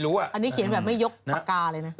อันนี้เขียนไม่ยกปากกาเลยเนี่ย